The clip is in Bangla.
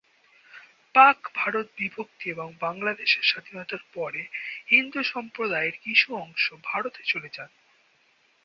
পাক-ভারত বিভক্তি এবং বাংলাদেশের স্বাধীনতার পরে হিন্দু সম্প্রদায়ের কিছু অংশ ভারতে চলে যান।